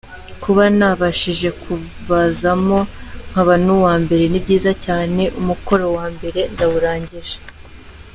Kuba nabashije kubazamo nkaba n’uwa mbere ni byiza cyane, umukoro wa mbere ndawurangije.